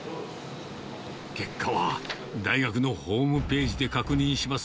結果は大学のホームページで確認します。